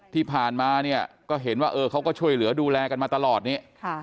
ที่ผ่านมาเนี่ยก็เห็นว่าเขาก็ช่วยเหลือดูแลกันมาตลอดนี้